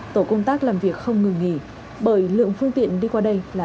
tổ công tác làm việc không ngừng nghỉ bởi lượng phương tiện đi qua đây là